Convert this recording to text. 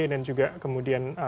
dan juga kemudian